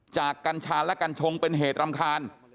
กัญชาและกัญชงเป็นเหตุรำคาญ